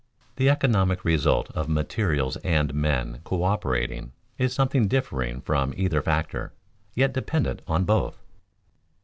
The economic result of materials and men coöperating is something differing from either factor, yet dependent on both.